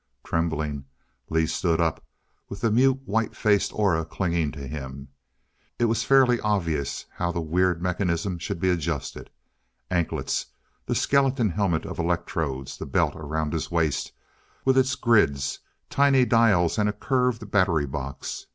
Trembling, Lee stood up, with the mute, white faced Aura clinging to him. It was fairly obvious how the weird mechanism should be adjusted anklets, the skeleton helmet of electrodes, the belt around his waist, with its grids, tiny dials and curved battery box.